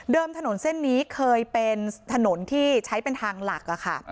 ถนนเส้นนี้เคยเป็นถนนที่ใช้เป็นทางหลักค่ะ